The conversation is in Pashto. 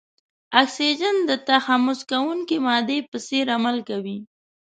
اکسیجن د تحمض کوونکې مادې په څېر عمل کوي.